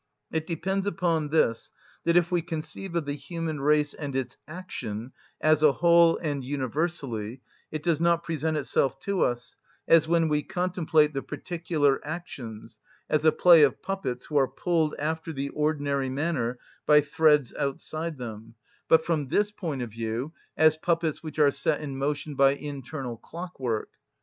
It depends upon this, that if we conceive of the human race and its action as a whole and universally, it does not present itself to us, as when we contemplate the particular actions, as a play of puppets who are pulled after the ordinary manner by threads outside them; but from this point of view, as puppets which are set in motion by internal clockwork.